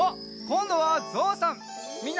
こんどはぞうさん！